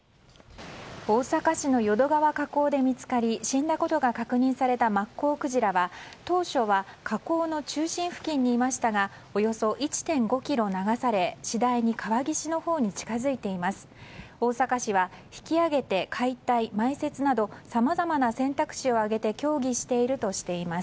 大阪市の淀川河口で見つかり死んだことが確認されたマッコウクジラは当初は河口の中心付近にいましたがおよそ１．５ｋｍ流され次第に川岸のほうに近づいています。